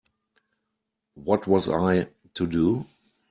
What was I to do?